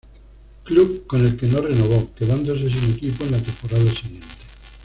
Club con el que no renovó, quedándose sin equipo en la temporada siguiente.